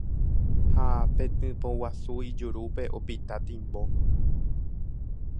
ha petỹpoguasu ijurúpe opita timbo